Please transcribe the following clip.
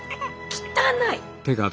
汚い！